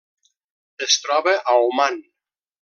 Es troba a Oman.